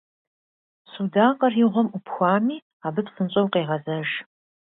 Судакъыр и гъуэм Ӏупхуами, абы псынщӀэу къегъэзэж.